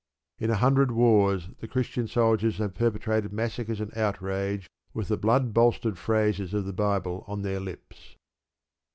In a hundred wars the Christian soldiery have perpetrated massacre and outrage with the blood bolstered phrases of the Bible on their lips.